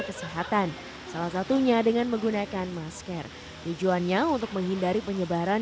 kesehatan salah satunya dengan menggunakan masker tujuannya untuk menghindari penyebaran